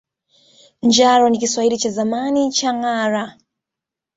Njaro ni Kiswahili cha zamani kwa ngâara